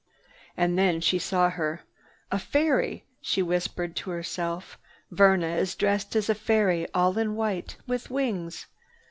And then she saw her. "A fairy!" she whispered to herself. "Verna is dressed as a fairy, all in white, with wings.